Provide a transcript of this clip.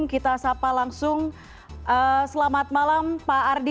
kita sapa langsung selamat malam pak ardi